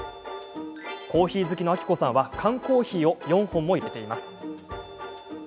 コーヒー好きの明子さんは缶コーヒーを４本も入れてます。